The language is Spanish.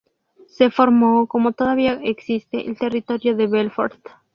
Se formó, como todavía existe, el Territorio de Belfort.